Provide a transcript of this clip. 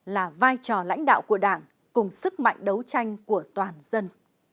là vai trò lãnh đạo của đảng cùng sức mạnh đấu tranh của toàn dân